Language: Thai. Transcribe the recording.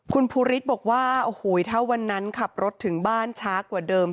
คุณภูริสบอกว่าโอ้โหถ้าวันนั้นขับรถถึงบ้านช้ากว่าเดิม